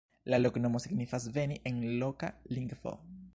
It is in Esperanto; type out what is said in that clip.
La loknomo signifas "veni" en loka lingvo.